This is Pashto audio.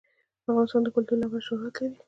افغانستان د کلتور له امله شهرت لري.